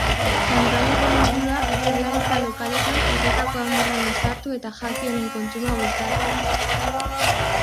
Kanpainaren helburua ostalaritza lokaletan errekako amuarraina sartu eta jaki honen kontsumoa bultzatzea da.